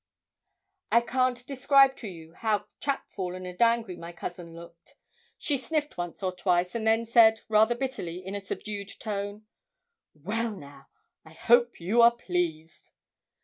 I can't describe to you how chapfallen and angry my cousin looked. She sniffed once or twice, and then said, rather bitterly, in a subdued tone: 'Well, now; I hope you are pleased?'